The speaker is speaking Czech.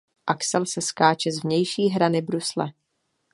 Axel se skáče z vnější hrany brusle.